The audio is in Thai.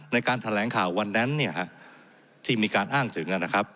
ในการแถลงข่าววันนั้นเนี่ยฮะที่มีการอ้างถึงนะครับ